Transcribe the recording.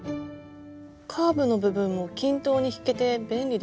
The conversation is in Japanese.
カーブの部分も均等に引けて便利ですね。